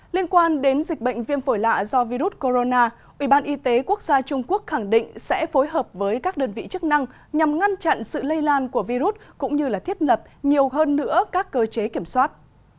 liên quan đến dịch bệnh viêm phổi lạ do virus corona ủy ban y tế quốc gia trung quốc khẳng định sẽ phối hợp với các đơn vị chức năng nhằm ngăn chặn sự lây lan của virus cũng như thiết lập nhiều hơn nữa các cơ chế kiểm soát